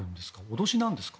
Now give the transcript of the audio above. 脅しなんですか。